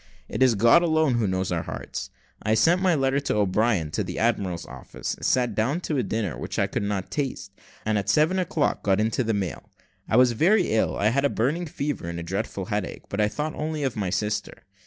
It is God alone who knows our hearts. I sent my letter to O'Brien to the admiral's office, sat down to a dinner which I could not taste, and at seven o'clock got into the mail. I was very ill; I had a burning fever and a dreadful headache, but I thought only of my sister.